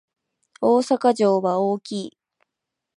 大阪城は大きい